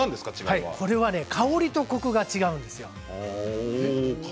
これは香りとコクが違うんです。